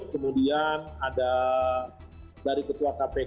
kemudian ada dari ketua kpk